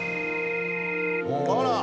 あら！